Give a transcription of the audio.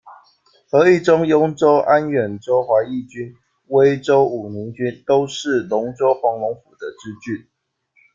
和益州、雍州、安远州怀义军、威州武宁军，都是龙州黄龙府的支郡。